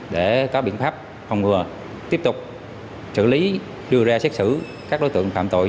để có biện pháp phòng ngừa tiếp tục xử lý đưa ra xét xử các đối tượng phạm tội